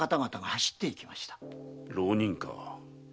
浪人か。